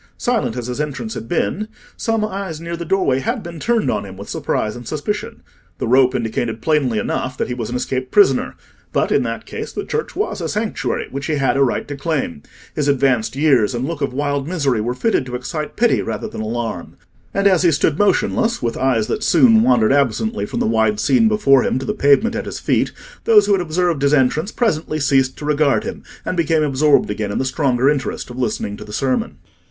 Silent as his entrance had been, some eyes near the doorway had been turned on him with surprise and suspicion. The rope indicated plainly enough that he was an escaped prisoner, but in that case the church was a sanctuary which he had a right to claim; his advanced years and look of wild misery were fitted to excite pity rather than alarm; and as he stood motionless, with eyes that soon wandered absently from the wide scene before him to the pavement at his feet, those who had observed his entrance presently ceased to regard him, and became absorbed again in the stronger interest of listening to the sermon.